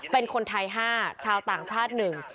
เป็นคนไทย๕ชาวต่างชาติหนึ่ง